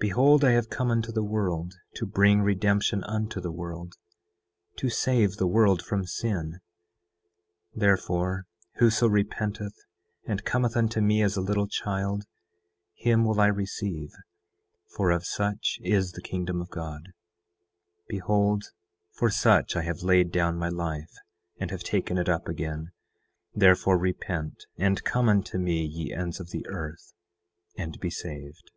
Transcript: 9:21 Behold, I have come unto the world to bring redemption unto the world, to save the world from sin. 9:22 Therefore, whoso repenteth and cometh unto me as a little child, him will I receive, for of such is the kingdom of God. Behold, for such I have laid down my life, and have taken it up again; therefore repent, and come unto me ye ends of the earth, and be saved.